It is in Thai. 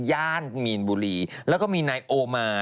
ย่านมีนบุรีแล้วก็มีนายโอมา